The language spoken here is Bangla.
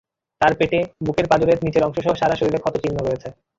তার পেটে, বুকের পাঁজরের নিচের অংশসহ সারা শরীরে ক্ষত চিহ্ন রয়েছে।